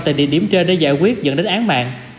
tại địa điểm trên để giải quyết dẫn đến án mạng